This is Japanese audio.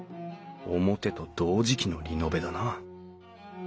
表と同時期のリノベだな。